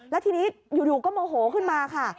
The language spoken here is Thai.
แล้วทีนี้อยู่ก็โมโหขึ้นมาค่ะ